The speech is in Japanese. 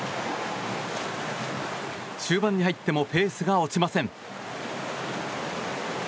終盤に入ってもペースが落ちません。